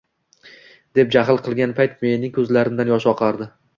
deb jaxl qilgan payti mening ko`zlarimdan yosh oqardi